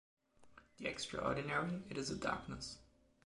The extraordinary, it is a darkness.